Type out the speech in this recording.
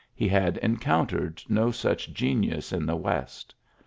He had encountered no such genius in the West.